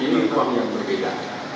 ini ruang yang berbeda